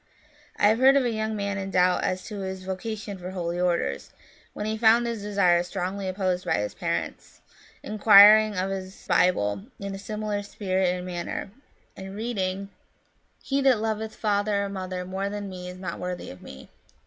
I have heard of a young man in doubt as to his vocation for holy orders, when he found his desire strongly opposed by his parents, inquiring of his Bible in a similar spirit and manner, and reading, 261 Curiosities of Olden Times " He that loveth father or mother more than me is not worthy of me."